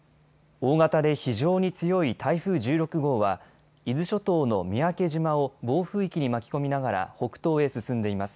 大型で非常に強い台風１６号は伊豆諸島の三宅島を暴風域に巻き込みながら北東へ進んでいます。